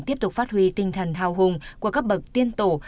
tiếp tục phát huy tinh thần hào hùng của các bậc tiên tổ